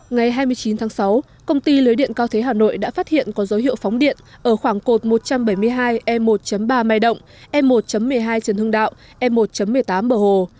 ngày hai mươi chín tháng sáu công ty lưới điện cao thế hà nội đã phát hiện có dấu hiệu phóng điện ở khoảng cột một trăm bảy mươi hai e một ba may động e một một mươi hai trần hưng đạo e một một mươi tám bờ hồ